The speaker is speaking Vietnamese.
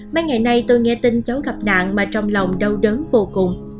mấy ngày nay tôi nghe tin cháu gặp nạn mà trong lòng đau đớn vô cùng